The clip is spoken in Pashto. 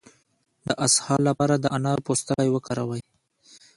د اسهال لپاره د انارو پوستکی وکاروئ